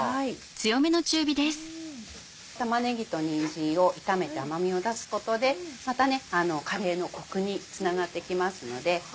玉ねぎとにんじんを炒めて甘みを出すことでまたカレーのコクにつながってきますので。